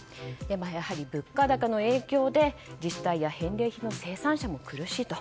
やはり物価高の影響で自治体や返礼品の生産者も苦しいと。